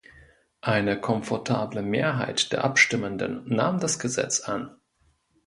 Eine komfortable Mehrheit der Abstimmenden nahm das Gesetz an.